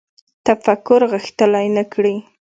تفکر غښتلی نه کړي